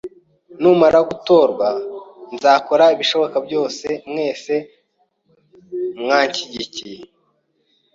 Numara gutorwa, nzakora ibishoboka byose mwese mwanshigikiye.